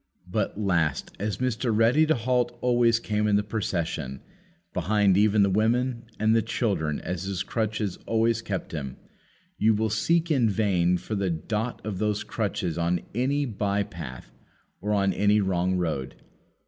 But, last as Mr. Ready to halt always came in the procession behind even the women and the children as his crutches always kept him you will seek in vain for the dot of those crutches on any by path or on any wrong road.